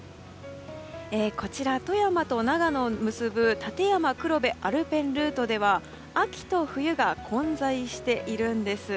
こちら、富山と長野を結ぶ立山黒部アルペンルートでは秋と冬が混在しているんです。